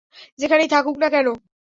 যেখানেই থাকুক না কেন!